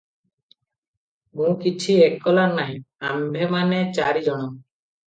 ମୁଁ କିଛି ଏକଲା ନାହିଁ ; ଆମ୍ଭେମାନେ ଚାରିଜଣ ।"